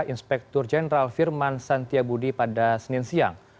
inspektur jeneral firman santia budi pada senin siang